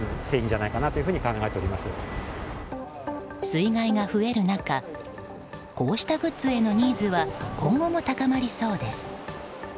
水害が増える中こうしたグッズへのニーズは今後も高まりそうです。